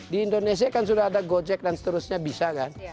di indonesia kan sudah ada gojek dan seterusnya bisa kan